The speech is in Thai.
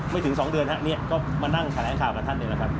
ไม่ถึง๒เดือนนะนี่ก็มานั่งถ่ายแรงข่าวกันท่านเองแล้วครับ